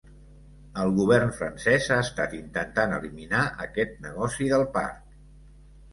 El govern francès ha estat intentant eliminar aquest negoci del parc.